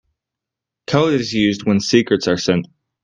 Code is used when secrets are sent.